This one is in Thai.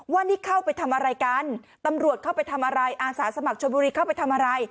ว่านี่เข้าไปทำอะไรกันตำรวจเข้าไปทำอะไรอาสาสมัครชนบุรีเข้าไปทำอะไร